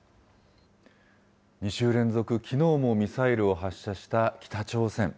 ２週連続、きのうもミサイルを発射した北朝鮮。